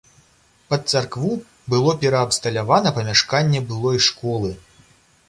Пад царкву было пераабсталявана памяшканне былой школы.